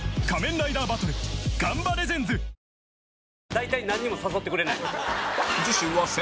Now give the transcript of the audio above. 大体なんにも誘ってくれない。